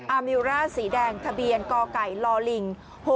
มิวร่าสีแดงทะเบียนกไก่ลิง๖๖